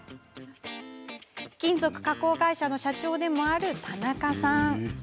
金属加工会社の社長でもある田中さん。